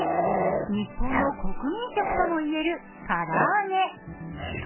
日本の国民食ともいえる唐揚げ。